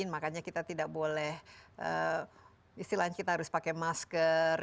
makanya kita tidak boleh istilahnya kita harus pakai masker